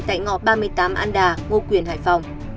tại ngõ ba mươi tám an đà ngô quyền hải phòng